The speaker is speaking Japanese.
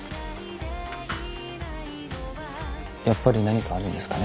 やっぱり何かあるんですかね